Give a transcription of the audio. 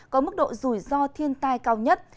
với mức độ rủi ro thiên tai cao nhất